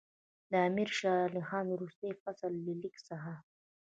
د امیر شېر علي خان وروستي مفصل لیک څخه.